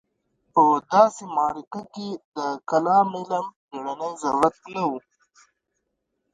په داسې معرکه کې د کلام علم بېړنی ضرورت نه و.